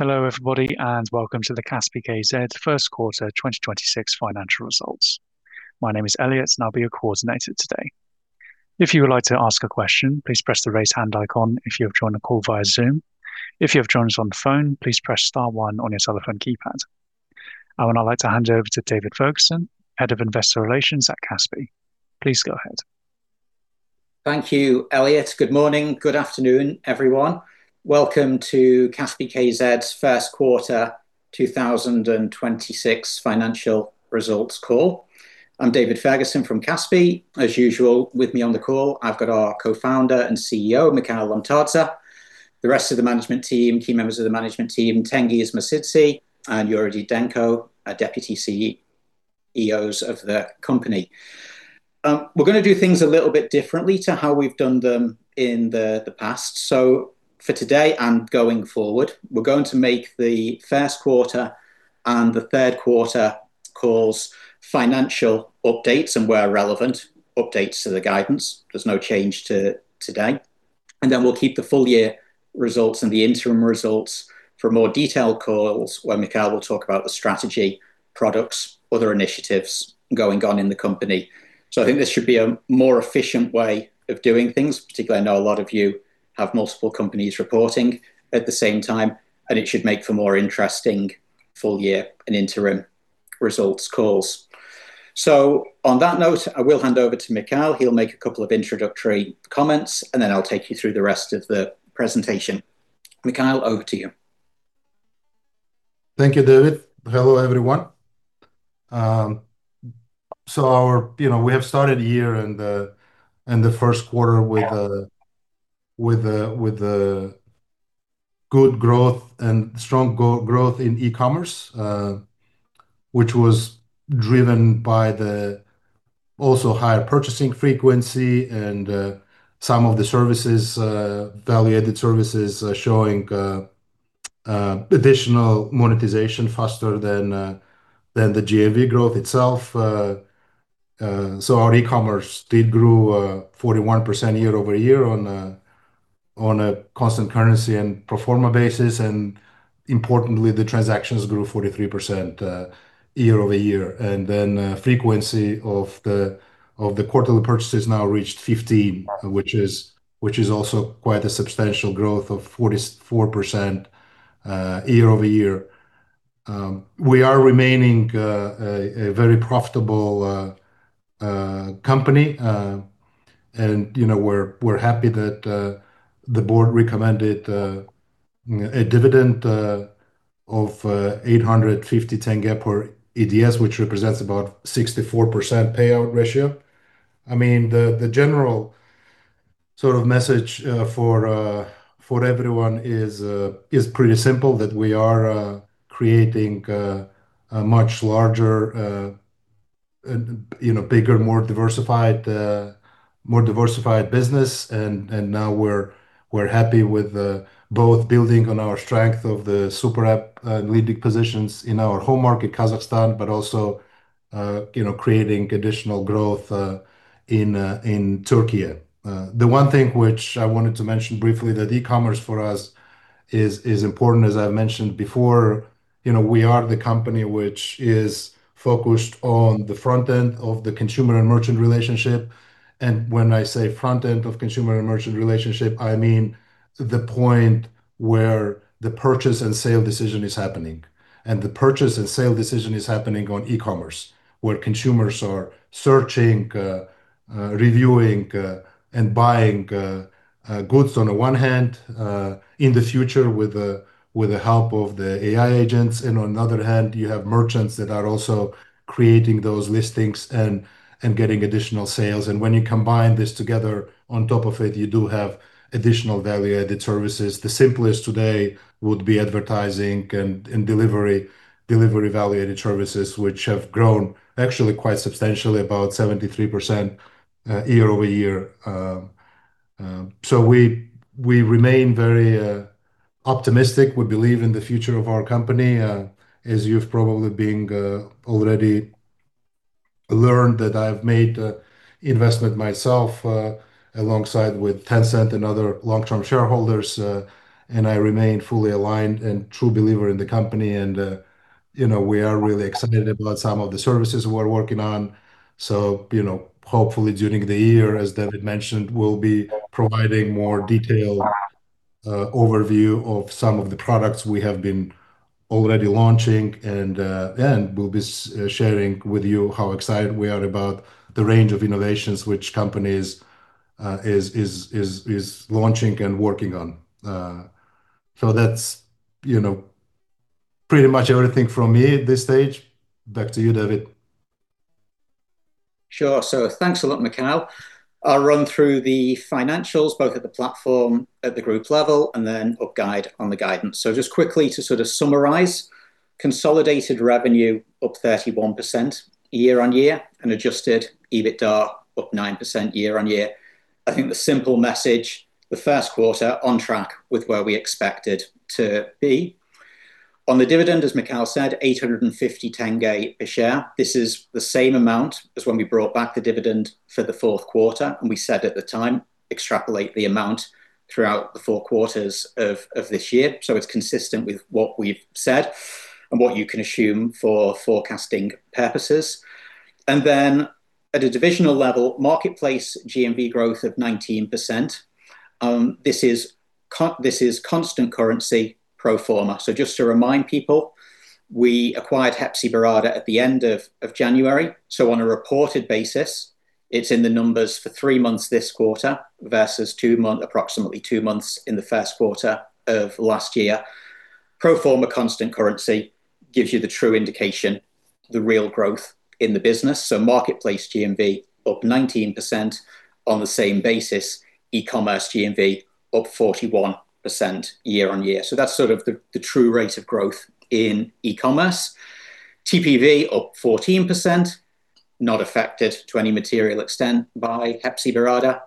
Hello, everybody, and welcome to the Kaspi.kz first quarter 2026 financial results. My name is Elliot, and I'll be your coordinator today. If you would like to ask a question, please press the raise hand icon if you have joined the call via Zoom. If you have joined us on the phone, please press star one on your telephone keypad. I would now like to hand you over to David Ferguson, Head of Investor Relations at Kaspi. Please go ahead. Thank you, Elliot. Good morning, good afternoon, everyone. Welcome to Kaspi.kz first quarter 2026 financial results call. I'm David Ferguson from Kaspi. As usual, with me on the call I've got our Co-Founder and CEO, Mikheil Lomtadze. The rest of the management team, key members of the management team, Tengiz Mosidze and Yuri Didenko, are Deputy CEOs of the company. We're going to do things a little bit differently to how we've done them in the past. For today and going forward, we're going to make the first quarter and the third quarter calls financial updates and where relevant, updates to the guidance. There's no change to today. We'll keep the full year results and the interim results for more detailed calls where Mikheil will talk about the strategy, products, other initiatives going on in the company. I think this should be a more efficient way of doing things. Particularly, I know a lot of you have multiple companies reporting at the same time, and it should make for more interesting full year and interim results calls. On that note, I will hand over to Mikheil. He'll make a couple of introductory comments, and then I'll take you through the rest of the presentation. Mikheil, over to you. Thank you, David. Hello, everyone. You know, we have started the year in the first quarter with a good growth and strong growth in e-Commerce, which was driven by the also higher purchasing frequency and some of the services, value-added services, showing additional monetization faster than the GMV growth itself. Our e-Commerce did grew 41% year-over-year on a constant currency and pro forma basis. Importantly, the transactions grew 43% year-over-year. Frequency of the quarterly purchases now reached 15, which is also quite a substantial growth of 44% year-over-year. We are remaining a very profitable company. You know, we're happy that the board recommended a dividend of KZT 850 per ADS, which represents about 64% payout ratio. The general sort of message for everyone is pretty simple, that we are creating a much larger, you know, bigger, more diversified business. Now we're happy with both building on our strength of the super app, leading positions in our home market, Kazakhstan, but also, you know, creating additional growth in Türkiye. The one thing which I wanted to mention briefly that e-Commerce for us is important as I've mentioned before. You know, we are the company which is focused on the front end of the consumer and merchant relationship. When I say front end of consumer and merchant relationship, I mean the point where the purchase and sale decision is happening. The purchase and sale decision is happening on e-Commerce, where consumers are searching, reviewing, and buying goods on the one hand, in the future with the help of the AI agents. On the other hand, you have merchants that are also creating those listings and getting additional sales. When you combine this together on top of it, you do have additional value-added services. The simplest today would be advertising and delivery value-added services, which have grown actually quite substantially, about 73% year-over-year. We remain very optimistic. We believe in the future of our company. As you've probably been already learned that I've made a investment myself alongside with Tencent and other long-term shareholders. I remain fully aligned and true believer in the company. You know, we are really excited about some of the services we're working on. You know, hopefully during the year, as David mentioned, we'll be providing more detailed overview of some of the products we have been already launching. We'll be sharing with you how excited we are about the range of innovations which companies is launching and working on. That's, you know, pretty much everything from me at this stage. Back to you, David. Sure. Thanks a lot, Mikheil. I'll run through the financials both at the platform, at the group level, and then up guide on the guidance. Just quickly to sort of summarize, consolidated revenue up 31% year-on-year and adjusted EBITDA up 9% year-on-year. I think the simple message, the first quarter on track with where we expected to be. On the dividend, as Mikheil said, KZT 850 a share. This is the same amount as when we brought back the dividend for the fourth quarter, and we said at the time, extrapolate the amount throughout the four quarters of this year. It's consistent with what we've said and what you can assume for forecasting purposes. At a divisional level, marketplace GMV growth of 19%. This is constant currency pro forma. Just to remind people, we acquired Hepsiburada at the end of January. On a reported basis, it's in the numbers for three months this quarter versus approximately two months in the first quarter of last year. Pro forma constant currency gives you the true indication, the real growth in the business. Marketplace GMV up 19% on the same basis, e-Commerce GMV up 41% year-on-year. That's sort of the true rate of growth in e-Commerce. TPV up 14%, not affected to any material extent by Hepsiburada.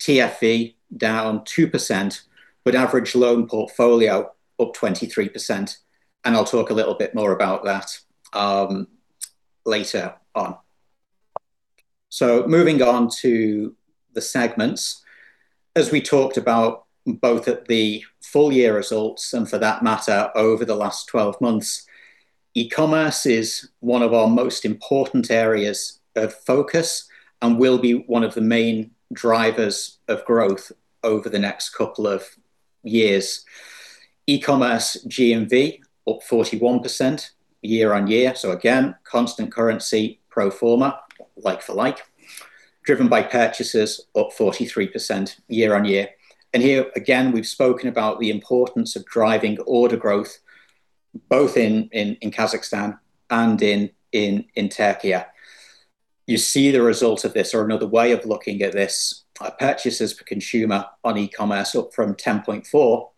TFV down 2%, but average loan portfolio up 23%, and I'll talk a little bit more about that later on. Moving on to the segments. As we talked about both at the full year results and for that matter over the last 12 months, e-Commerce is one of our most important areas of focus and will be one of the main drivers of growth over the next couple of years. E-commerce GMV up 41% year-on-year. Again, constant currency pro forma like for like, driven by purchases up 43% year on year. Here again, we've spoken about the importance of driving order growth both in Kazakhstan and in Türkiye. You see the result of this or another way of looking at this, purchases for consumer on e-Commerce up from 10.4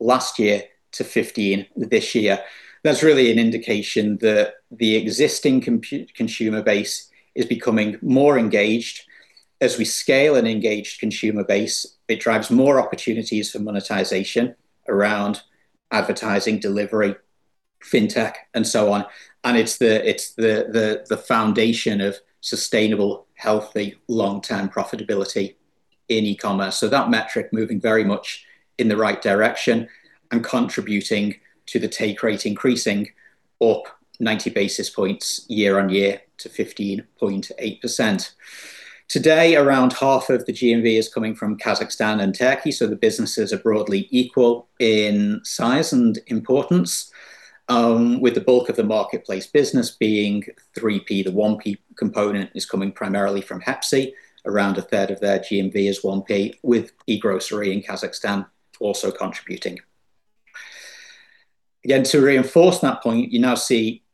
last year to 15 this year. That's really an indication that the existing consumer base is becoming more engaged. As we scale an engaged consumer base, it drives more opportunities for monetization around advertising, delivery, Fintech, and so on. It's the foundation of sustainable, healthy, long-term profitability in e-Commerce. That metric moving very much in the right direction and contributing to the take rate increasing up 90 basis points year on year to 15.8%. Today, around half of the GMV is coming from Kazakhstan and Turkey, so the businesses are broadly equal in size and importance, with the bulk of the marketplace business being 3P. The 1P component is coming primarily from Hepsi. Around a third of their GMV is 1P, with e-Grocery in Kazakhstan also contributing. To reinforce that point, you now see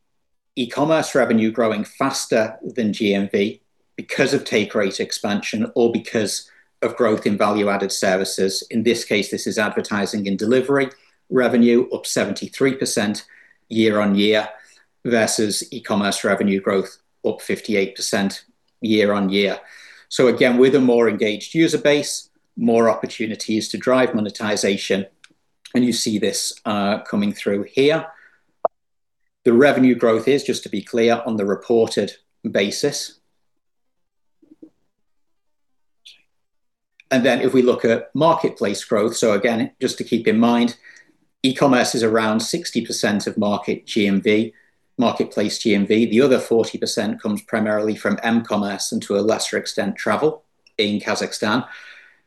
e-Commerce revenue growing faster than GMV because of take rate expansion or because of growth in value-added services. In this case, this is advertising and delivery revenue up 73% year-on-year versus e-Commerce revenue growth up 58% year-on-year. Again, with a more engaged user base, more opportunities to drive monetization, and you see this coming through here. The revenue growth is, just to be clear, on the reported basis. If we look at marketplace growth, again, just to keep in mind, e-Commerce is around 60% of market GMV, marketplace GMV. The other 40% comes primarily from m-Commerce and to a lesser extent, travel in Kazakhstan.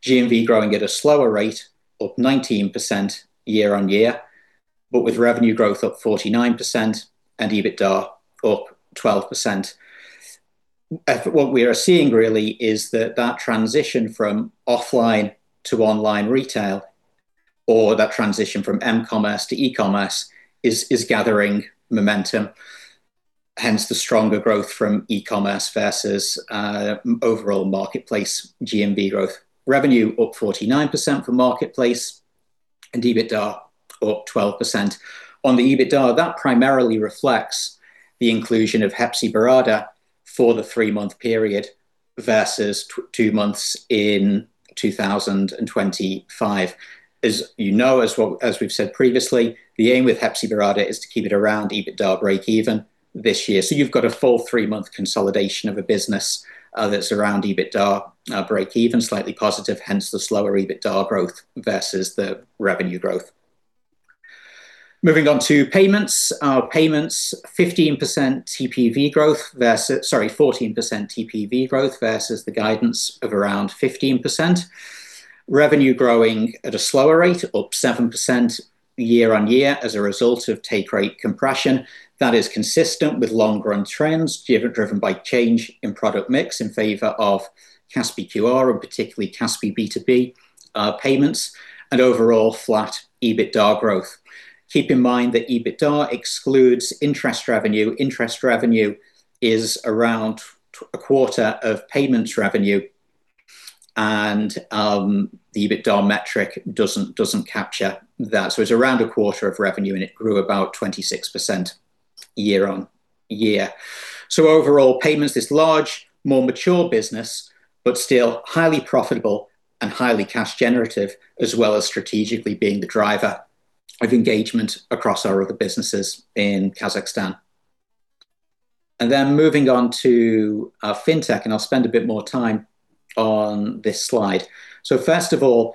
GMV growing at a slower rate, up 19% year-on-year, but with revenue growth up 49% and EBITDA up 12%. What we are seeing really is that that transition from offline to online retail or that transition from m-Commerce to e-Commerce is gathering momentum. Hence, the stronger growth from e-Commerce versus overall marketplace GMV growth. Revenue up 49% for marketplace and EBITDA up 12%. On the EBITDA, that primarily reflects the inclusion of Hepsiburada for the three-month period versus two months in 2025. As you know, as we've said previously, the aim with Hepsiburada is to keep it around EBITDA breakeven this year. You've got a full three-month consolidation of a business that's around EBITDA breakeven, slightly positive, hence the slower EBITDA growth versus the revenue growth. Moving on to payments. Our payments, 15% TPV growth versus Sorry, 14% TPV growth versus the guidance of around 15%. Revenue growing at a slower rate, up 7% year-on-year as a result of take rate compression. That is consistent with longer run trends driven by change in product mix in favor of Kaspi QR and particularly Kaspi B2B payments and overall flat EBITDA growth. Keep in mind that EBITDA excludes interest revenue. Interest revenue is around a quarter of payments revenue, and the EBITDA metric doesn't capture that. It is around a quarter of revenue, and it grew about 26% year-on-year. Overall payments is large, more mature business, but still highly profitable and highly cash generative, as well as strategically being the driver of engagement across our other businesses in Kazakhstan. Moving on to Fintech, and I'll spend a bit more time on this slide. First of all,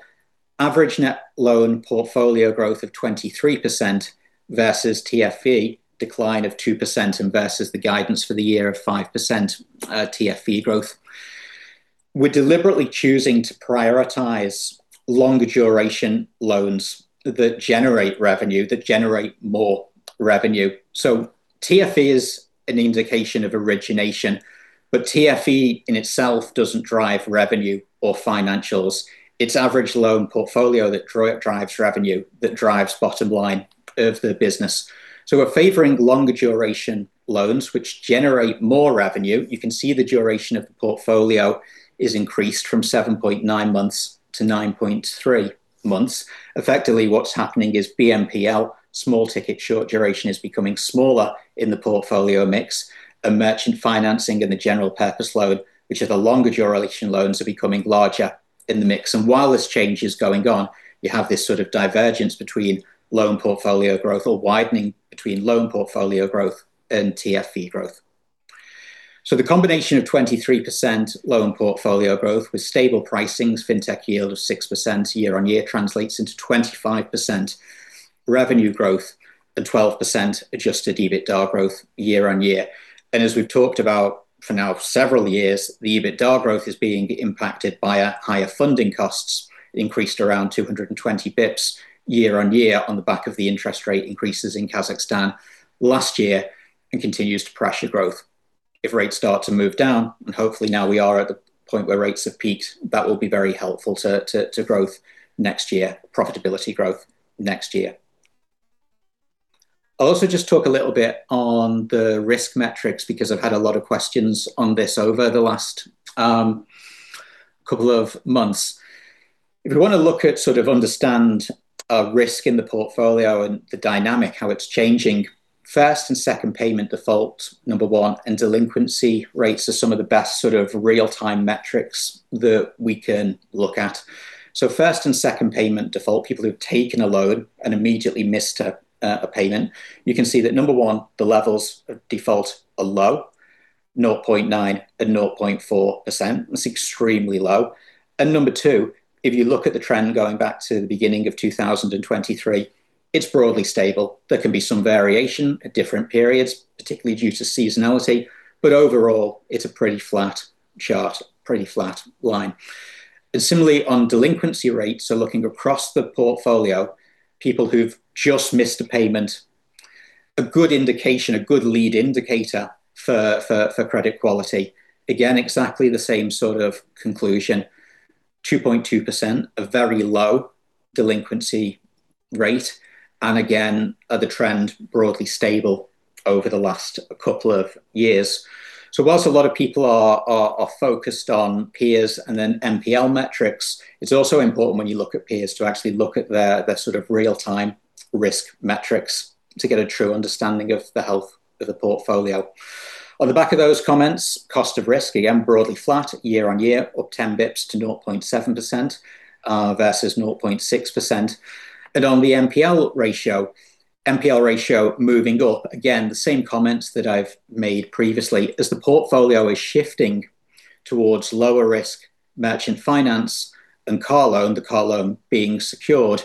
average net loan portfolio growth of 23% versus TFV decline of 2% and versus the guidance for the year of 5% TFV growth. We're deliberately choosing to prioritize longer duration loans that generate revenue, that generate more revenue. TFV is an indication of origination, but TFV in itself doesn't drive revenue or financials. It's average loan portfolio that drives revenue, that drives bottom line of the business. We're favoring longer duration loans which generate more revenue. You can see the duration of the portfolio is increased from 7.9 months-9.3 months. Effectively what's happening is BNPL, small ticket short duration is becoming smaller in the portfolio mix and merchant financing and the general purpose loan, which are the longer duration loans are becoming larger in the mix. While this change is going on, you have this sort of divergence between loan portfolio growth or widening between loan portfolio growth and TFV growth. The combination of 23% loan portfolio growth with stable pricings, Fintech yield of 6% year-on-year translates into 25% revenue growth and 12% adjusted EBITDA growth year-on-year. As we've talked about for now several years, the EBITDA growth is being impacted by a higher funding costs, increased around 220 basis points year-on-year on the back of the interest rate increases in Kazakhstan last year and continues to pressure growth. If rates start to move down, and hopefully now we are at the point where rates have peaked, that will be very helpful to growth next year, profitability growth next year. I'll also just talk a little bit on the risk metrics because I've had a lot of questions on this over the last couple of months. If you want to look at sort of understand risk in the portfolio and the dynamic, how it's changing, first and second payment default, number one, and delinquency rates are some of the best sort of real-time metrics that we can look at. First and second payment default, people who've taken a loan and immediately missed a payment. You can see that number one, the levels of default are low, 0.9% and 0.4%. That's extremely low. Number two, if you look at the trend going back to the beginning of 2023, it's broadly stable. There can be some variation at different periods, particularly due to seasonality, but overall, it's a pretty flat chart, pretty flat line. Similarly on delinquency rates, so looking across the portfolio, people who've just missed a payment, a good indication, a good lead indicator for credit quality. Again, exactly the same sort of conclusion, 2.2%, a very low delinquency rate and again, the trend broadly stable over the last couple of years. Whilst a lot of people are focused on peers and then NPL metrics, it's also important when you look at peers to actually look at their sort of real-time risk metrics to get a true understanding of the health of the portfolio. On the back of those comments, cost of risk, again, broadly flat year-over-year, up 10 basis points to 0.7%, versus 0.6%. On the NPL ratio, NPL ratio moving up, again, the same comments that I've made previously. As the portfolio is shifting towards lower risk merchant finance and car loan, the car loan being secured,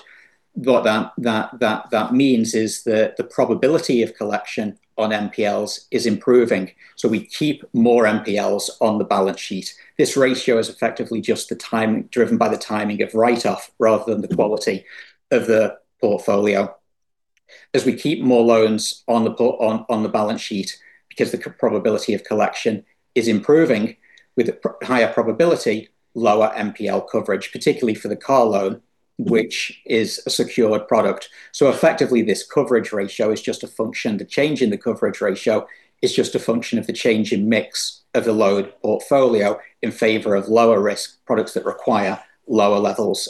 what that means is that the probability of collection on NPLs is improving, so we keep more NPLs on the balance sheet. This ratio is effectively just the timing, driven by the timing of write-off rather than the quality of the portfolio. As we keep more loans on the balance sheet because the probability of collection is improving with a higher probability, lower NPL coverage, particularly for the car loan, which is a secured product. Effectively this coverage ratio is just a function, the change in the coverage ratio is just a function of the change in mix of the loan portfolio in favor of lower risk products that require lower levels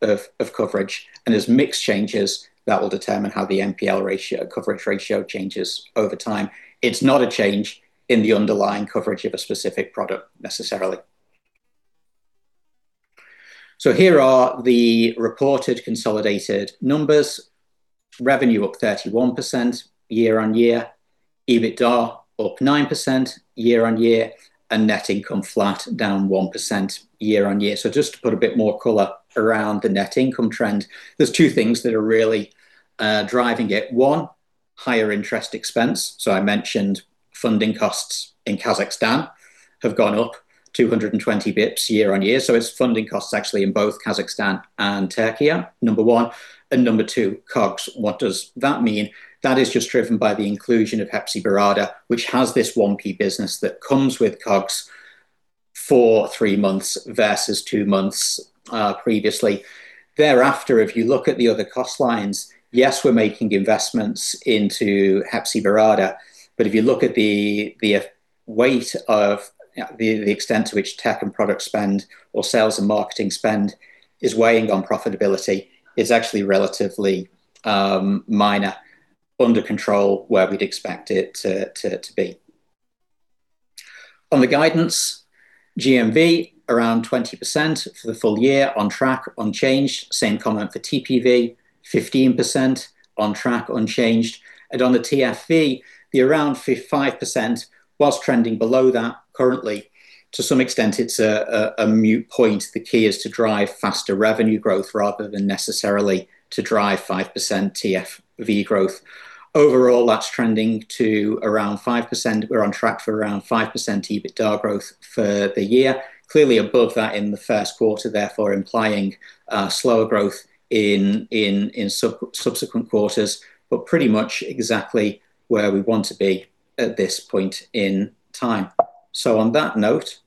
of coverage. As mix changes, that will determine how the NPL ratio, coverage ratio changes over time. It's not a change in the underlying coverage of a specific product necessarily. Here are the reported consolidated numbers. Revenue up 31% year-on-year, EBITDA up 9% year-on-year, and net income flat, down 1% year-on-year. Just to put a bit more color around the net income trend, there's two things that are really driving it. One, higher interest expense. I mentioned funding costs in Kazakhstan have gone up 220 basis points year-on-year. It's funding costs actually in both Kazakhstan and Türkiye, number one. Number two, COGS. What does that mean? That is just driven by the inclusion of Hepsiburada, which has this wonky business that comes with COGS for three months versus two months previously. Thereafter, if you look at the other cost lines, yes, we're making investments into Hepsiburada. If you look at the weight of the extent to which tech and product spend or sales and marketing spend is weighing on profitability is actually relatively minor, under control, where we'd expect it to be. On the guidance, GMV around 20% for the full year on track, unchanged. Same comment for TPV, 15% on track, unchanged. On the TFV, the around 5% was trending below that currently. To some extent, it's a moot point. The key is to drive faster revenue growth rather than necessarily to drive 5% TFV growth. Overall, that's trending to around 5%. We're on track for around 5% EBITDA growth for the year. Clearly above that in the first quarter, therefore implying slower growth in subsequent quarters, but pretty much exactly where we want to be at this point in time. On that note,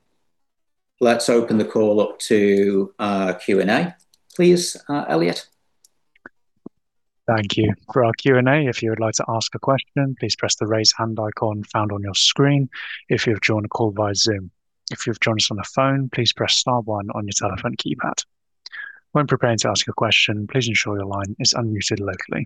let's open the call up to Q&A, please, Elliot. Thank you. For our Q&A, if you would like to ask a question, please press the Raise Hand icon found on your screen if you've joined the call via Zoom. If you've joined us on the phone, please press star one on your telephone keypad. When preparing to ask your question, please ensure your line is unmuted locally.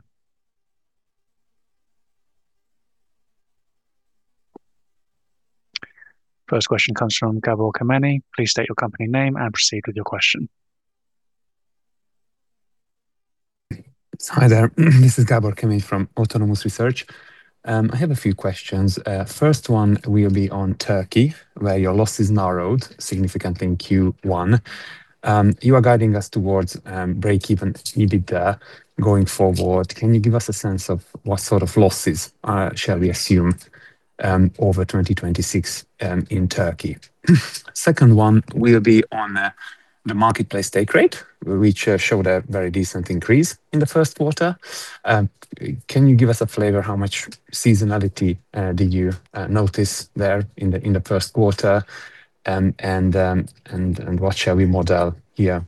First question comes from Gabor Kemeny. Please state your company name and proceed with your question. Hi there. This is Gabor Kemeny from Autonomous Research. I have a few questions. First one will be on Turkey, where your losses narrowed significantly in Q1. You are guiding us towards break-even EBITDA going forward. Can you give us a sense of what sort of losses shall we assume over 2026 in Turkey? Second one will be on the marketplace take rate, which showed a very decent increase in the first quarter. Can you give us a flavor how much seasonality did you notice there in the first quarter? What shall we model here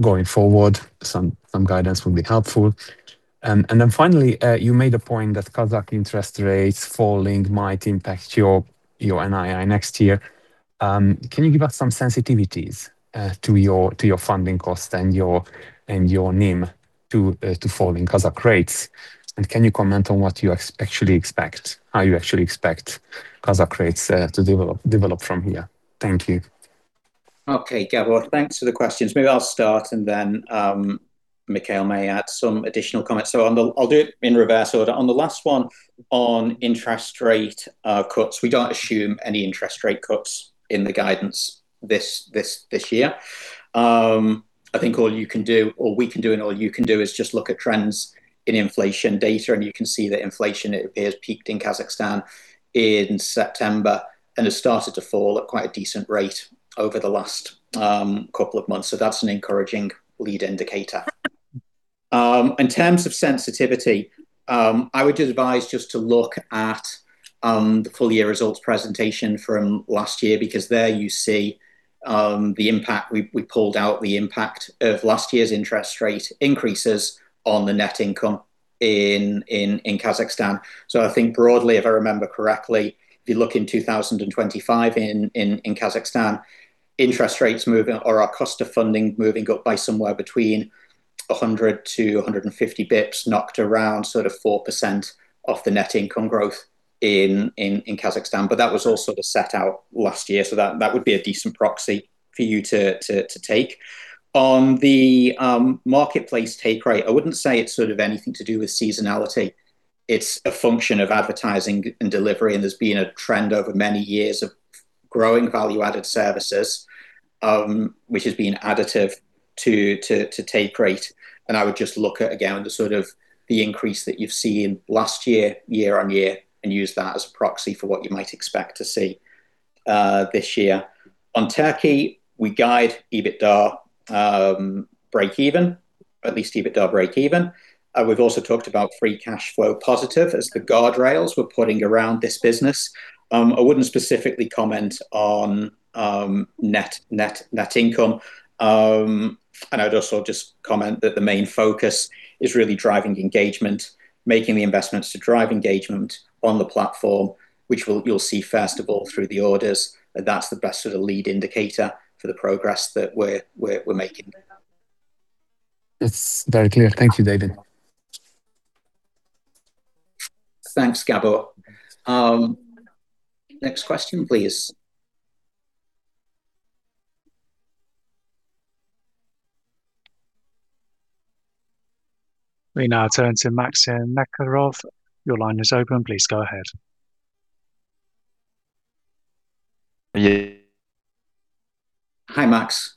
going forward? Some guidance would be helpful. Finally, you made a point that Kazakh interest rates falling might impact your NII next year. Can you give us some sensitivities to your funding cost and your NIM to falling Kazakh rates? Can you comment on what you actually expect, how you actually expect Kazakh rates to develop from here? Thank you. Gabor, thanks for the questions. Maybe I'll start and then Mikheil may add some additional comments. I'll do it in reverse order. On the last one on interest rate cuts, we don't assume any interest rate cuts in the guidance this year. I think all you can do or we can do and all you can do is just look at trends in inflation data, and you can see that inflation, it appears, peaked in Kazakhstan in September and has started to fall at quite a decent rate over the last couple of months. That's an encouraging lead indicator. In terms of sensitivity, I would advise just to look at the full-year results presentation from last year because there you see the impact. We pulled out the impact of last year's interest rate increases on the net income in Kazakhstan. I think broadly, if I remember correctly, if you look in 2025 in Kazakhstan, interest rates moving or our cost of funding moving up by somewhere between 100 basis points-150 basis points knocked around sort of 4% off the net income growth in Kazakhstan. That was all sort of set out last year, so that would be a decent proxy for you to take. On the marketplace take rate, I wouldn't say it's sort of anything to do with seasonality. It's a function of advertising and delivery, and there's been a trend over many years of growing value-added services, which has been additive to take rate. I would just look at, again, the sort of the increase that you've seen last year year-on-year, and use that as a proxy for what you might expect to see this year. On Turkey, we guide EBITDA breakeven, at least EBITDA breakeven. We've also talked about free cash flow positive as the guardrails we're putting around this business. I wouldn't specifically comment on net income. I'd also just comment that the main focus is really driving engagement, making the investments to drive engagement on the platform, which you'll see first of all through the orders, and that's the best sort of lead indicator for the progress that we're making. It's very clear. Thank you, David. Thanks, Gabor. Next question, please. We now turn to [Maxim Makarov]. Your line is open. Please go ahead. Hi, Max.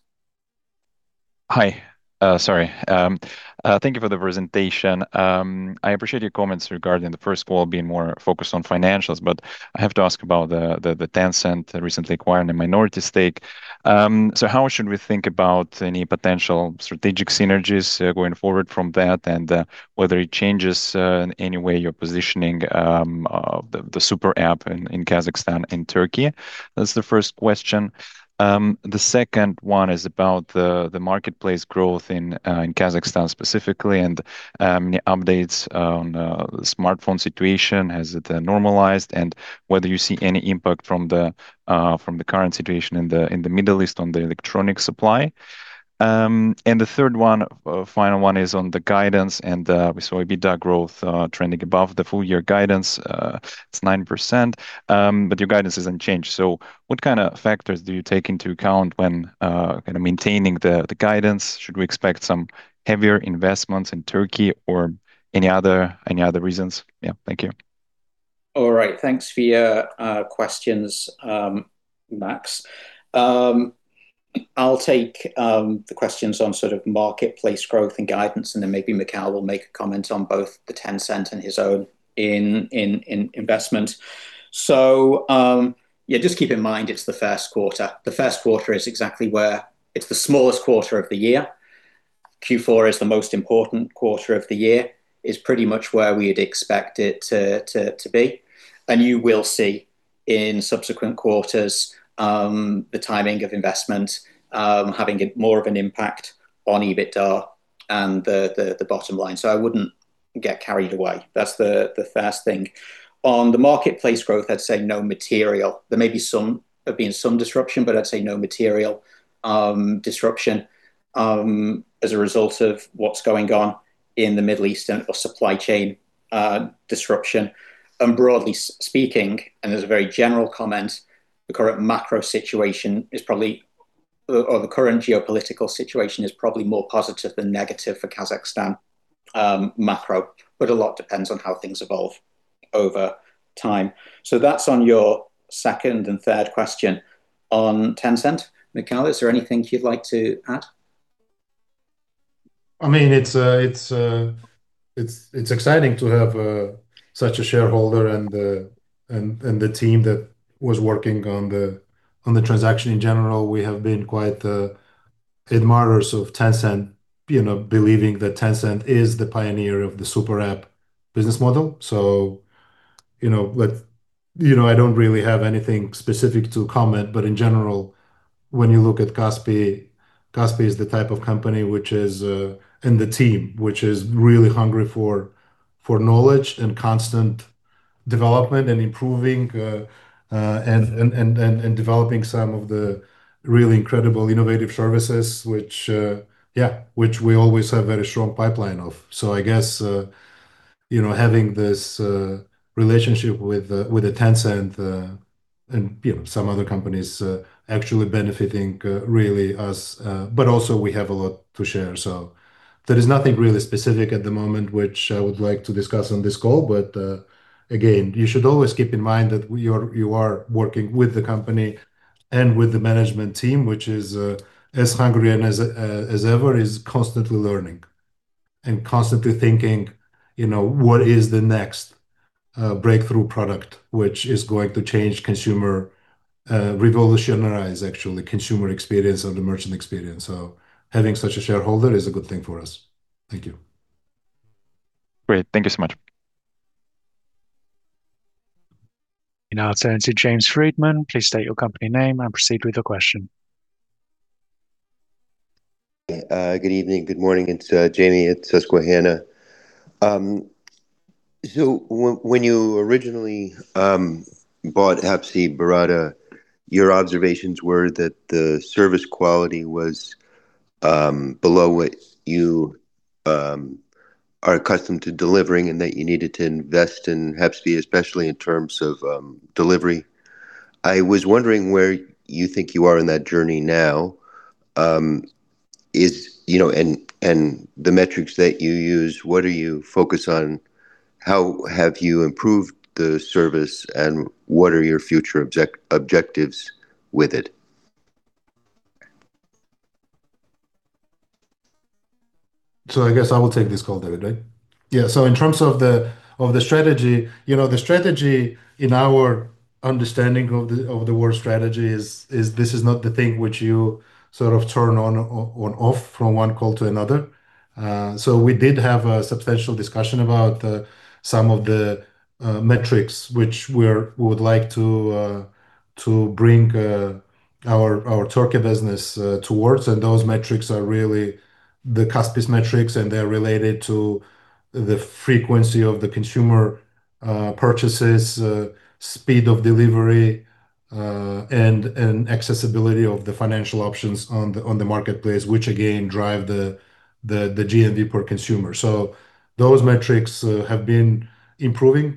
Hi. Thank you for the presentation. I appreciate your comments regarding the first of all being more focused on financials, but I have to ask about Tencent recently acquiring a minority stake. How should we think about any potential strategic synergies going forward from that and whether it changes in any way your positioning the super app in Kazakhstan and Turkey? That's the first question. The second one is about the marketplace growth in Kazakhstan specifically and any updates on the smartphone situation. Has it normalized? Whether you see any impact from the current situation in the Middle East on the electronic supply. The third one, final one is on the guidance. We saw EBITDA growth trending above the full year guidance. It's 9%. Your guidance hasn't changed. What kind of factors do you take into account when kind of maintaining the guidance? Should we expect some heavier investments in Turkey or any other reasons? Yeah. Thank you. All right. Thanks for your questions, Max. I'll take the questions on sort of marketplace growth and guidance, and then maybe Mikheil will make a comment on both the Tencent and his own investment. Yeah, just keep in mind it's the first quarter. The first quarter is exactly where it's the smallest quarter of the year. Q4 is the most important quarter of the year. It's pretty much where we'd expect it to be. You will see in subsequent quarters, the timing of investment having more of an impact on EBITDA and the bottom line. I wouldn't get carried away. That's the first thing. On the marketplace growth, I'd say no material. There may have been some disruption, but I'd say no material disruption as a result of what's going on in the Middle East and, or supply chain disruption. Broadly speaking, and as a very general comment, the current macro situation or the current geopolitical situation is probably more positive than negative for Kazakhstan macro, but a lot depends on how things evolve over time. That's on your second and third question. On Tencent, Mikheil, is there anything you'd like to add? I mean, it's exciting to have such a shareholder and the team that was working on the transaction in general. We have been quite admirers of Tencent, you know, believing that Tencent is the pioneer of the super app business model. You know, let's You know, I don't really have anything specific to comment, but in general, when you look at Kaspi is the type of company which is and the team, which is really hungry for knowledge and constant development and improving and developing some of the really incredible innovative services which we always have very strong pipeline of. I guess, you know, having this relationship with the Tencent, and, you know, some other companies, actually benefiting really us. Also we have a lot to share. There is nothing really specific at the moment which I would like to discuss on this call. Again, you should always keep in mind that you are working with the company and with the management team, which is as hungry and as ever, is constantly learning and constantly thinking, you know, what is the next breakthrough product which is going to change consumer, revolutionize actually consumer experience and the merchant experience. Having such a shareholder is a good thing for us. Thank you. Great. Thank you so much. We now turn to James Friedman. Please state your company name and proceed with your question. Good evening, good morning. It's Jamie at Susquehanna. When you originally bought Hepsiburada, your observations were that the service quality was below what you are accustomed to delivering and that you needed to invest in Hepsi, especially in terms of delivery. I was wondering where you think you are in that journey now. You know, and the metrics that you use, what are you focused on? How have you improved the service, and what are your future objectives with it? I guess I will take this call, David, right? Yeah. In terms of the, of the strategy, you know, the strategy in our understanding of the, of the word strategy is this is not the thing which you sort of turn on or off from one call to another. We did have a substantial discussion about some of the metrics we would like to bring our Turkey business towards. Those metrics are really the Kaspi's metrics, and they're related to the frequency of the consumer purchases, speed of delivery, and accessibility of the financial options on the marketplace, which again drive the GMV per consumer. Those metrics have been improving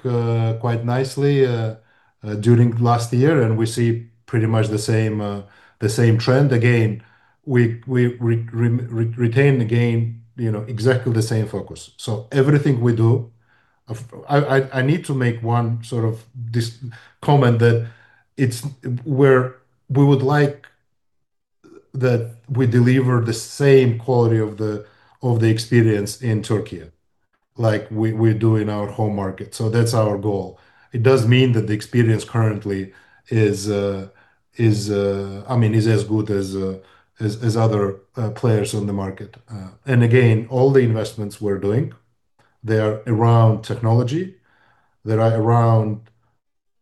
quite nicely during last year, and we see pretty much the same trend. We retain, you know, exactly the same focus. I need to make one sort of comment that it's where we would like that we deliver the same quality of the experience in Türkiye like we do in our home market. That's our goal. It does mean that the experience currently is, I mean, is as good as other players on the market. All the investments we're doing, they are around technology. They are around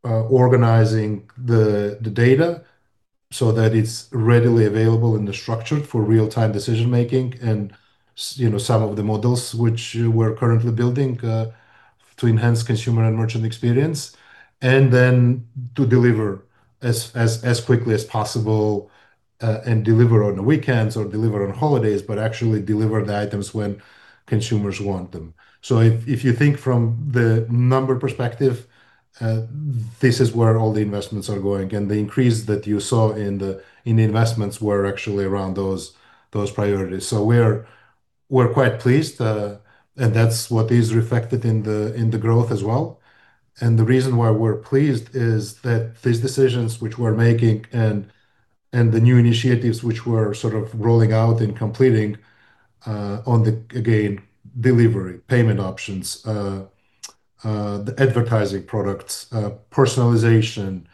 organizing the data so that it's readily available in the structure for real-time decision-making and you know, some of the models which we're currently building to enhance consumer and merchant experience. Then to deliver as quickly as possible, and deliver on the weekends or deliver on holidays, but actually deliver the items when consumers want them. If, if you think from the number perspective, this is where all the investments are going. The increase that you saw in the investments were actually around those priorities. We're quite pleased. That's what is reflected in the growth as well. The reason why we're pleased is that these decisions which we're making and the new initiatives which we're sort of rolling out and completing on the, again, delivery, payment options, the advertising products, personalization,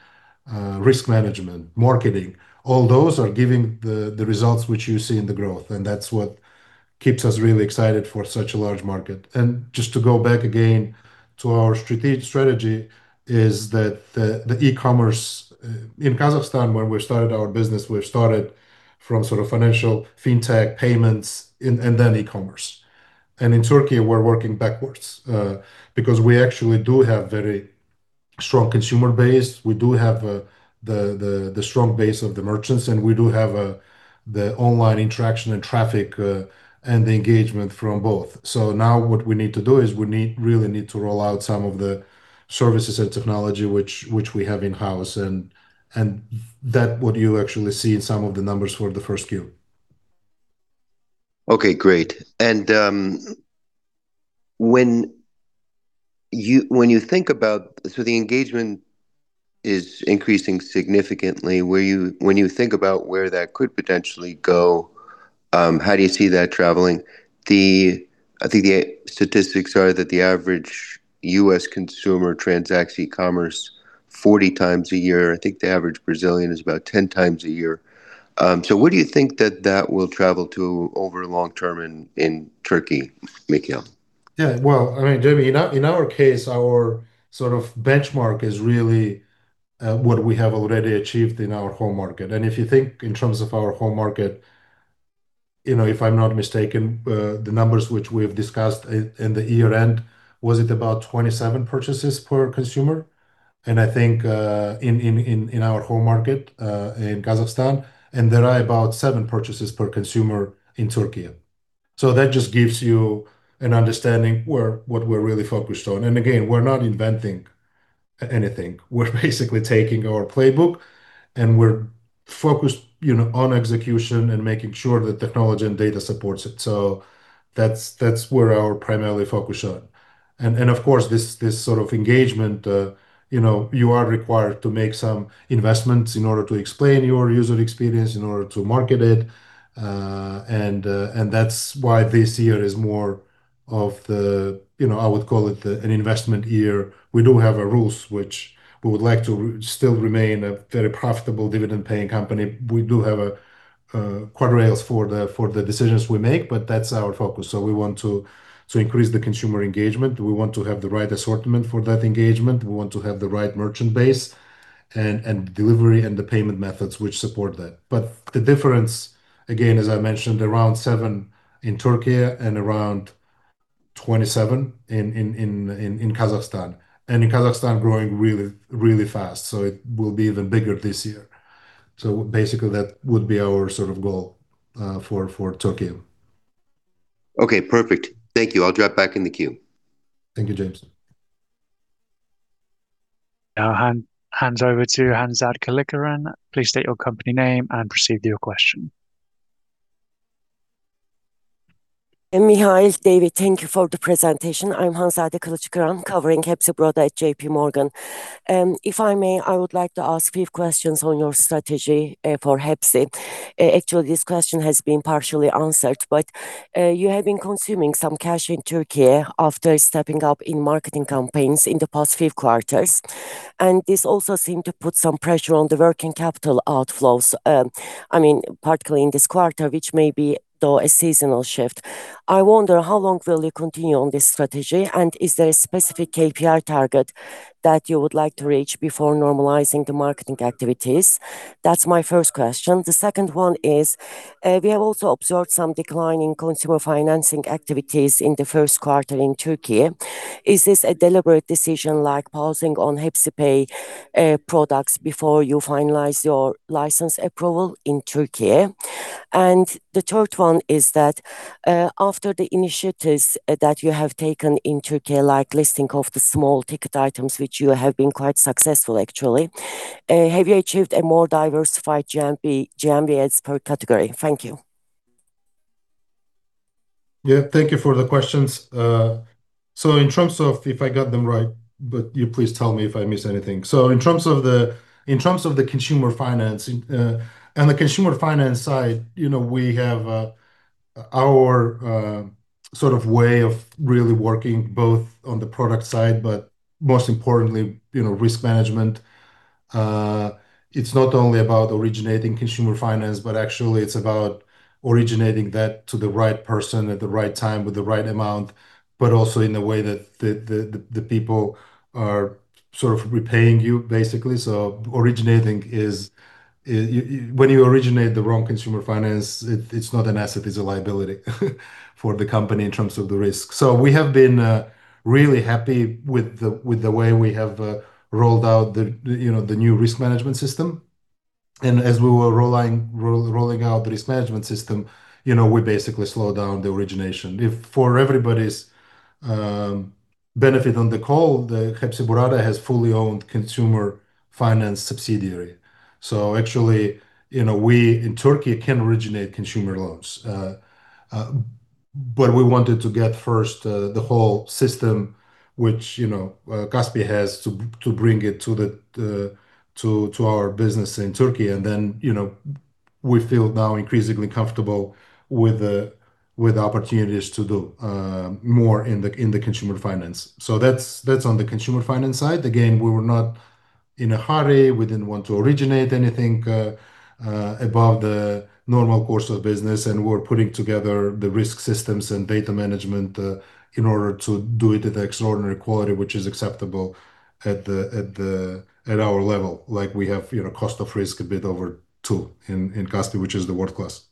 risk management, marketing, all those are giving the results which you see in the growth. That's what keeps us really excited for such a large market. Just to go back again to our strategic strategy is that the e-Commerce in Kazakhstan when we started our business, we started from sort of financial Fintech payments and then e-Commerce. In Turkey, we're working backwards because we actually do have very strong consumer base. We do have the strong base of the merchants, and we do have the online interaction and traffic and the engagement from both. Now what we really need to do is we really need to roll out some of the services and technology which we have in-house and that what you actually see in some of the numbers for the first Q. Okay, great. The engagement is increasing significantly. When you think about where that could potentially go, how do you see that traveling? I think the statistics are that the average U.S. consumer transacts e-Commerce 40x a year. I think the average Brazilian is about 10x a year. Where do you think that that will travel to over long term in Turkey, Mikheil? Yeah. Well, I mean, Jamie, in our, in our case, our sort of benchmark is really, what we have already achieved in our home market. If you think in terms of our home market, you know, if I'm not mistaken, the numbers which we have discussed in the year-end, was it about 27 purchases per consumer? I think, in our home market, in Kazakhstan. There are about seven purchases per consumer in Türkiye. So that just gives you an understanding where what we're really focused on. Again, we're not inventing anything. We're basically taking our playbook, and we're focused, you know, on execution and making sure that technology and data supports it. So that's where our primary focus on. Of course, this sort of engagement, you know, you are required to make some investments in order to explain your user experience, in order to market it. That's why this year is more of the, you know, I would call it an investment year. We do have our rules, which we would like to still remain a very profitable dividend-paying company. We do have guardrails for the decisions we make, but that's our focus. We want to increase the consumer engagement. We want to have the right assortment for that engagement. We want to have the right merchant base and delivery and the payment methods which support that. The difference, again, as I mentioned, around seven in Turkey and around 27 in Kazakhstan. In Kazakhstan, growing really, really fast. It will be even bigger this year. Basically, that would be our sort of goal for Turkey. Okay, perfect. Thank you. I'll drop back in the queue. Thank you, James. Now hands over to Hanzade Kilickiran. Please state your company name and proceed with your question. Mikheil, David, thank you for the presentation. I'm Hanzade Kilickiran covering Hepsiburada at JPMorgan. If I may, I would like to ask a few questions on your strategy for Hepsi. Actually, this question has been partially answered, but you have been consuming some cash in Türkiye after stepping up in marketing campaigns in the past few quarters. This also seemed to put some pressure on the working capital outflows, I mean, particularly in this quarter, which may be, though, a seasonal shift. I wonder, how long will you continue on this strategy? Is there a specific KPI target that you would like to reach before normalizing the marketing activities? That's my first question. The second one is, we have also observed some decline in consumer financing activities in the first quarter in Türkiye. Is this a deliberate decision like pausing on Hepsipay products before you finalize your license approval in Türkiye? The third one is that, after the initiatives that you have taken in Türkiye, like listing of the small ticket items, which you have been quite successful actually, have you achieved a more diversified GMV, GMVs per category? Thank you. Yeah, thank you for the questions. In terms of if I got them right, but you please tell me if I miss anything. In terms of the consumer financing, and the consumer finance side, you know, we have our sort of way of really working both on the product side, but most importantly, you know, risk management. It's not only about originating consumer finance, but actually it's about originating that to the right person at the right time with the right amount, but also in the way that the people are sort of repaying you basically. When you originate the wrong consumer finance, it's not an asset, it's a liability for the company in terms of the risk. We have been really happy with the way we have rolled out the, you know, the new risk management system. As we were rolling out the risk management system, you know, we basically slowed down the origination. If for everybody's benefit on the call, the Hepsiburada has fully owned consumer finance subsidiary. Actually, you know, we in Turkey can originate consumer loans. We wanted to get first the whole system, which, you know, Kaspi has to bring it to the to our business in Turkey and then, you know, we feel now increasingly comfortable with the opportunities to do more in the consumer finance. That's, that's on the consumer finance side. Again, we were not in a hurry. We didn't want to originate anything above the normal course of business. We're putting together the risk systems and data management in order to do it at the extraordinary quality, which is acceptable at our level. Like we have, you know, cost of risk a bit over 2% in Kaspi, which is world-class.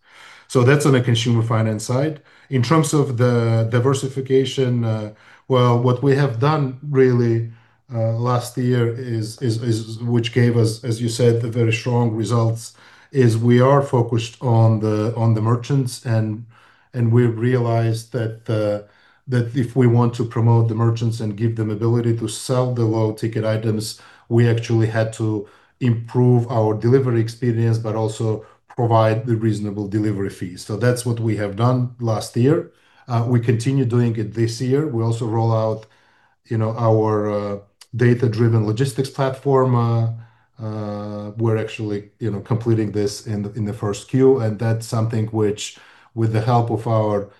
That's on the consumer finance side. In terms of the diversification, well, what we have done really last year is which gave us, as you said, the very strong results, is we are focused on the merchants and we've realized that if we want to promote the merchants and give them ability to sell the low-ticket items, we actually had to improve our delivery experience, but also provide the reasonable delivery fees. That's what we have done last year. We continue doing it this year. We also roll out, you know, our data-driven logistics platform. We're actually, you know, completing this in the first Q, and that's something which with the help of our,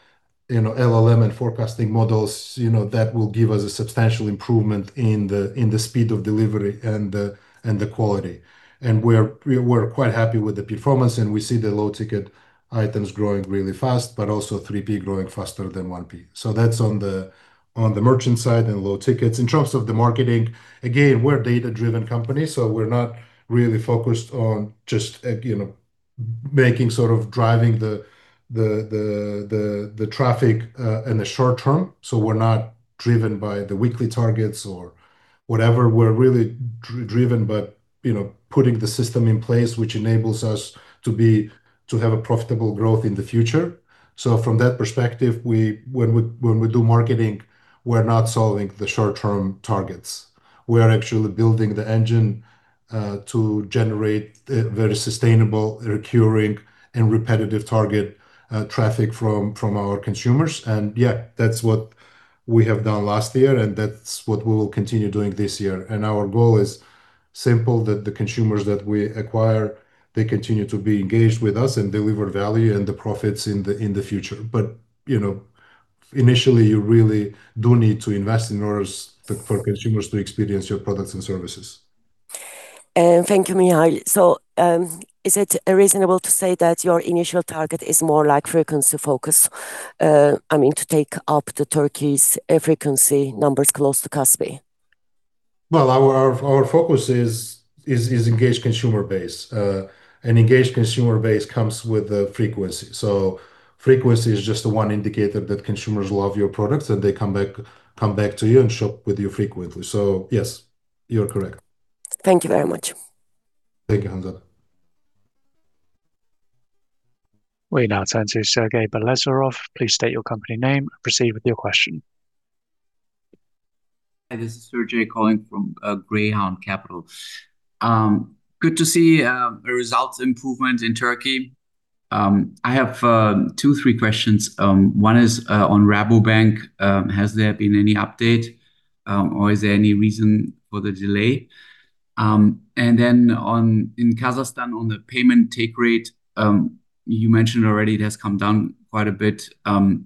you know, LLM and forecasting models, you know, that will give us a substantial improvement in the speed of delivery and the quality. We're quite happy with the performance, and we see the low-ticket items growing really fast, but also 3P growing faster than 1P. That's on the merchant side and low tickets. In terms of the marketing, again, we're a data-driven company, so we're not really focused on just, you know, making sort of driving the traffic in the short term. We're not driven by the weekly targets or whatever. We're really driven by, you know, putting the system in place, which enables us to have a profitable growth in the future. From that perspective, when we do marketing, we're not solving the short-term targets. We are actually building the engine to generate the very sustainable recurring and repetitive target traffic from our consumers. Yeah, that's what we have done last year, and that's what we will continue doing this year. Our goal is simple, that the consumers that we acquire, they continue to be engaged with us and deliver value and the profits in the future. You know, initially, you really do need to invest in order for consumers to experience your products and services. Thank you, Mikheil. Is it reasonable to say that your initial target is more like frequency focus? I mean, to take up the Turkey's frequency numbers close to Kaspi. Our focus is engaged consumer base. An engaged consumer base comes with a frequency. Frequency is just one indicator that consumers love your products and they come back to you and shop with you frequently. Yes, you're correct. Thank you very much. Thank you, Hanzade. We now turn to Sergej Belozerov. Please state your company name and proceed with your question. Hi, this is Sergej calling from Greyhound Capital. Good to see a results improvement in Turkey. I have two, three questions. One is on Rabobank. Has there been any update or is there any reason for the delay? Then on, in Kazakhstan, on the payment take rate, you mentioned already it has come down quite a bit.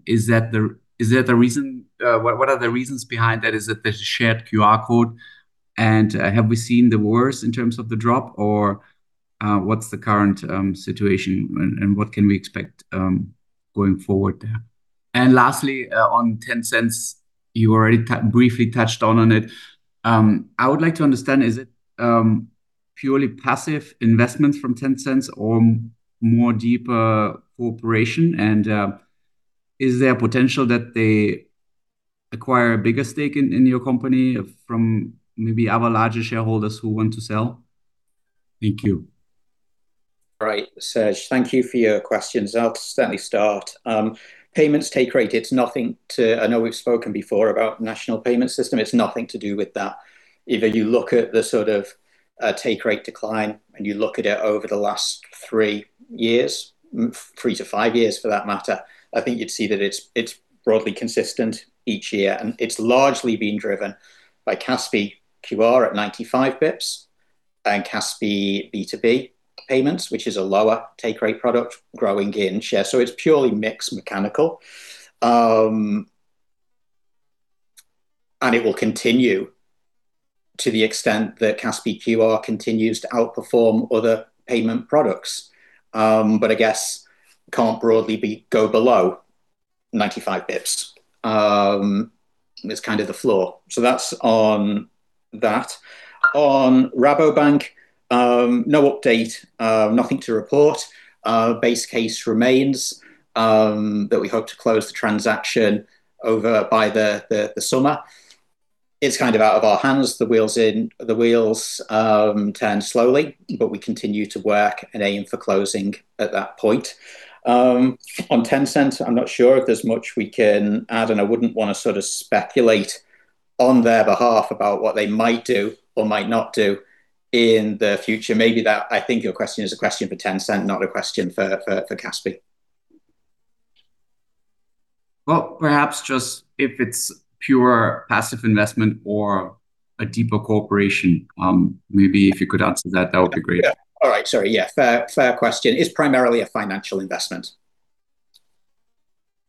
Is that the reason? What are the reasons behind that? Is it the shared QR code? Have we seen the worst in terms of the drop or what's the current situation and what can we expect going forward? Lastly, on Tencent, you already briefly touched on it. I would like to understand, is it purely passive investments from Tencent or more deeper cooperation? Is there a potential that they acquire a bigger stake in your company from maybe our larger shareholders who want to sell? Thank you. All right, Serge, thank you for your questions. I'll certainly start. Payments take rate, it's nothing to I know we've spoken before about national payment system. It's nothing to do with that. If you look at the sort of take rate decline, you look at it over the last three years, 3-5 years for that matter, I think you'd see that it's broadly consistent each year. It's largely been driven by Kaspi QR at 95 basis points and Kaspi B2B payments, which is a lower take rate product growing in share. It's purely mix mechanical. It will continue to the extent that Kaspi QR continues to outperform other payment products. I guess can't broadly be go below 95 basis points. It's kind of the floor. That's on that. On Rabobank, no update, nothing to report. Base case remains that we hope to close the transaction over by the summer. It's kind of out of our hands. The wheels turn slowly, we continue to work and aim for closing at that point. On Tencent, I'm not sure if there's much we can add, I wouldn't wanna sort of speculate on their behalf about what they might do or might not do in the future. Maybe that, I think your question is a question for Tencent, not a question for Kaspi. Well, perhaps just if it's pure passive investment or a deeper cooperation, maybe if you could answer that would be great. Yeah. All right. Sorry, yeah. Fair question. It's primarily a financial investment.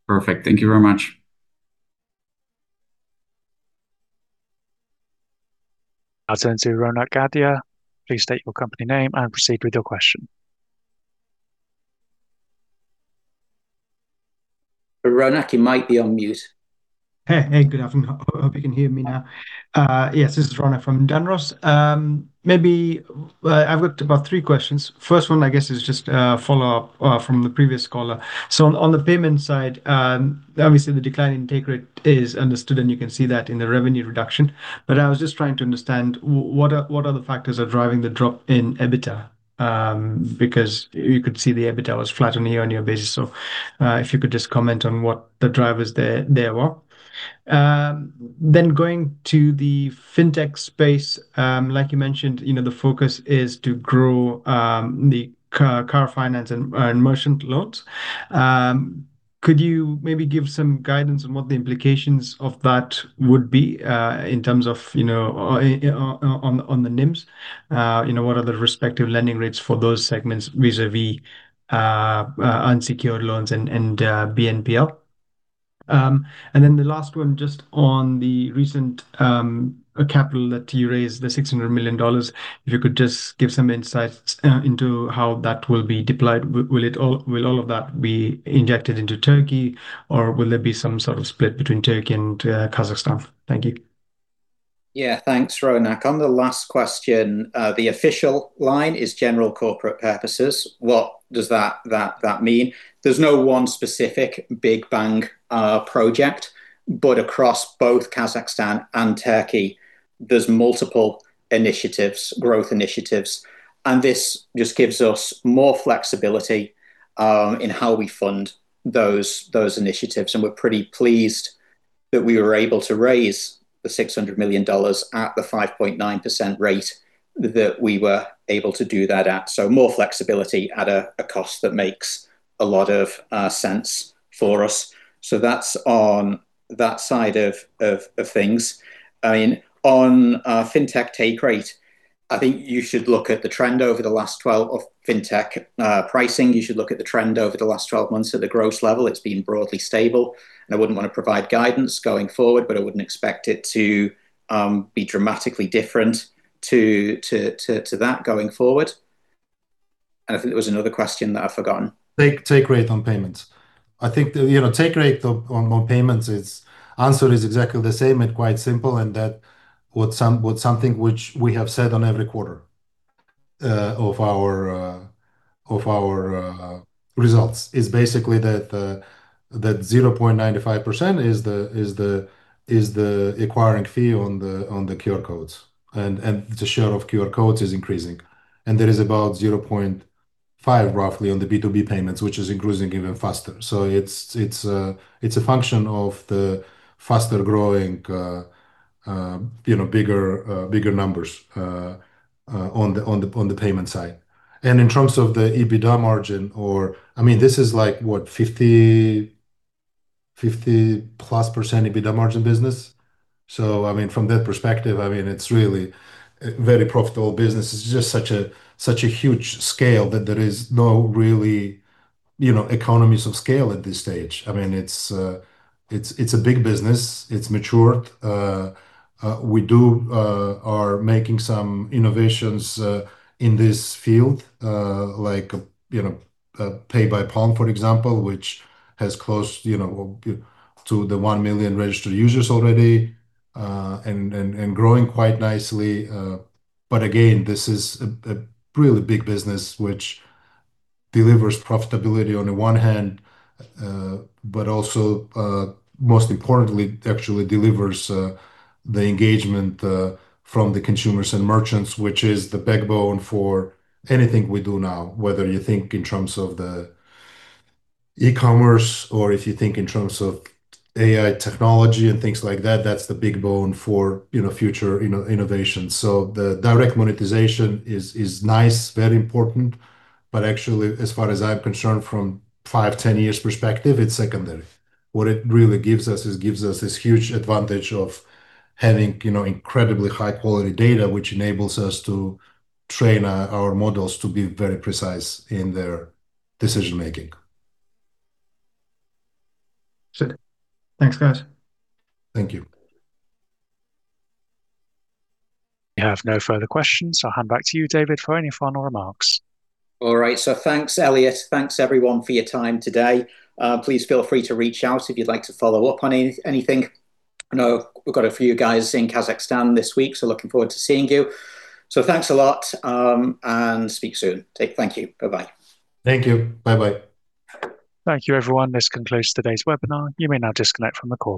Perfect. Thank you very much. I'll turn to [Ronak Gadia]. Please state your company name and proceed with your question. [Ronak], you might be on mute. Hey, hey, good afternoon. hope you can hear me now. yes, this is [Ronak] from Dunross. maybe, I've got about three questions. First one, I guess, is just a follow-up from the previous caller. On the payment side, obviously the decline in take rate is understood, and you can see that in the revenue reduction. I was just trying to understand what are the factors driving the drop in EBITDA? Because you could see the EBITDA was flat on a year-on-year basis. if you could just comment on what the drivers there were. Going to the Fintech space, like you mentioned, you know, the focus is to grow the car finance and merchant loans. Could you maybe give some guidance on what the implications of that would be in terms of on the NIMs? What are the respective lending rates for those segments vis-a-vis unsecured loans and BNPL? Then the last one, just on the recent capital that you raised, the $600 million, if you could just give some insights into how that will be deployed. Will all of that be injected into Turkey, or will there be some sort of split between Turkey and Kazakhstan? Thank you. Thanks, [Ronak]. On the last question, the official line is general corporate purposes. What does that mean? There's no one specific big bang project, across both Kazakhstan and Turkey, there's multiple initiatives, growth initiatives. This just gives us more flexibility in how we fund those initiatives. We're pretty pleased that we were able to raise the $600 million at the 5.9% rate that we were able to do that at. More flexibility at a cost that makes a lot of sense for us. That's on that side of things. I mean, on Fintech take rate, of Fintech pricing. You should look at the trend over the last 12 months at the gross level. It's been broadly stable. I wouldn't wanna provide guidance going forward, but I wouldn't expect it to be dramatically different to that going forward. I think there was another question that I've forgotten. Take rate on payments. I think the, you know, take rate on payments is answer is exactly the same and quite simple, and that what something which we have said on every quarter of our results, is basically that 0.95% is the acquiring fee on the QR codes. The share of QR codes is increasing. There is about 0.5% roughly on the B2B payments, which is increasing even faster. It's a function of the faster-growing, you know, bigger numbers on the payment side. In terms of the EBITDA margin or I mean, this is like, what. 50%+ EBITDA margin business. I mean, from that perspective, I mean, it's really a very profitable business. It's just such a huge scale that there is no really, you know, economies of scale at this stage. It's a big business. It's matured. We do are making some innovations in this field, like, you know, Kaspi Alaqan, for example, which has close, you know, to the 1 million registered users already and growing quite nicely. Again, this is a really big business which delivers profitability on the one hand, but also, most importantly, actually delivers the engagement from the consumers and merchants, which is the backbone for anything we do now. Whether you think in terms of the e-Commerce or if you think in terms of AI technology and things like that's the big boon for, you know, future innovation. The direct monetization is nice, very important, but actually, as far as I'm concerned from 5-10 years perspective, it's secondary. What it really gives us is this huge advantage of having, you know, incredibly high-quality data, which enables us to train our models to be very precise in their decision-making. Sure. Thanks, guys. Thank you. We have no further questions. I'll hand back to you, David, for any final remarks. All right. Thanks, Elliot. Thanks everyone for your time today. Please feel free to reach out if you'd like to follow up on anything. I know we've got a few guys in Kazakhstan this week, so looking forward to seeing you. Thanks a lot, and speak soon. Thank you. Bye-bye. Thank you. Bye-bye. Thank you, everyone. This concludes today's webinar. You may now disconnect from the call.